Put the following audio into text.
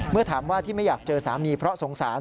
เมื่อถามว่าที่ไม่อยากเจอสามีเพราะสงสาร